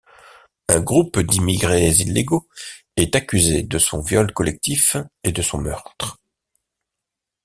Un groupe d'immigrés illégaux est accusé de son viol collectif et de son meurtre.